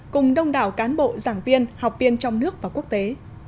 cùng đông đảo cán bộ giảng viên học viên trong nước và quốc tế